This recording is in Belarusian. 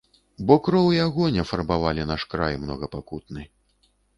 Бо кроў і агонь афарбавалі наш край многапакутны.